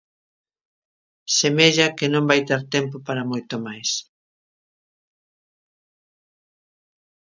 Semella que non vai ter tempo para moito máis.